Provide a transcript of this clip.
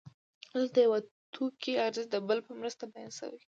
دلته د یو توکي ارزښت د بل په مرسته بیان شوی